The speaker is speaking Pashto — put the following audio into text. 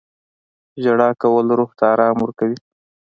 • ژړا کول روح ته ارام ورکوي.